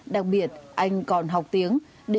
đặc biệt anh còn học tiếng